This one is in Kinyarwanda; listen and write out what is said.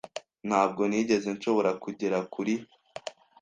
Ntabwo nigeze nshobora kugera kuri